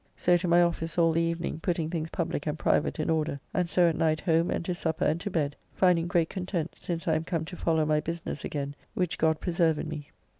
So to my office all the evening putting things public and private in order, and so at night home and to supper and to bed, finding great content since I am come to follow my business again, which God preserve in me.